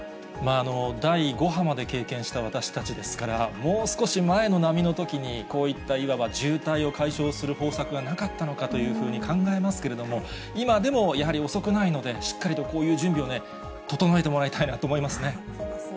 第５波まで経験した私たちですから、もう少し前の波のときに、こういったいわば渋滞を解消する方策がなかったのかというふうに考えますけれども、今でも、やはり遅くないので、しっかりとこういう準備をね、整えてもらいたいなと思いますね。